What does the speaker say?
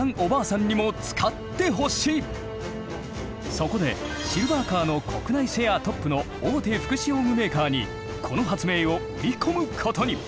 そこでシルバーカーの国内シェアトップの大手福祉用具メーカーにこの発明を売り込むことに！